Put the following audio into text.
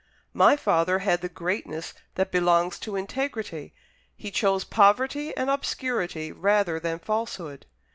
My father had the greatness that belongs to integrity; he chose poverty and obscurity rather than falsehood.